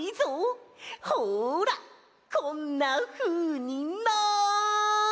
ほらこんなふうにな！